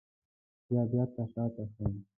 بیا بېرته شاته شوم.